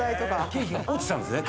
経費が落ちたんですね